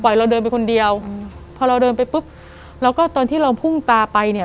เราเดินไปคนเดียวอืมพอเราเดินไปปุ๊บแล้วก็ตอนที่เราพุ่งตาไปเนี่ย